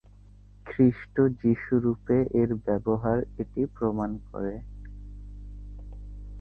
খ্রিস্ট যিশু রূপে এর ব্যবহার এটি প্রমাণ করে।